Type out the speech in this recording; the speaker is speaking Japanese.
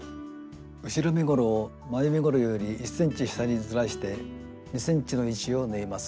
後ろ身ごろを前身ごろより１ｃｍ下にずらして２ｃｍの位置を縫います。